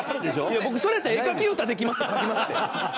いや僕それやったら「絵描き歌できます」って書きますって。